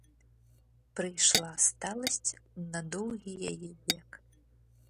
Прыйшла сталасць на доўгі яе век.